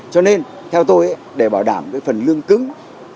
cho nên theo tôi để bảo đảm cái phần lương cứng